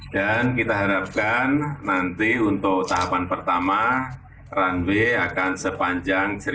dan kita harapkan nanti untuk tahapan pertama runway akan sepanjang satu enam ratus meter